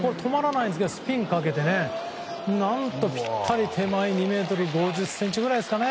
スピンをかけて何とぴったり、手前２ｍ５０ｃｍくらいですかね。